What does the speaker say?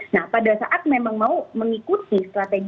nah pada saat memang mau mengikuti strategi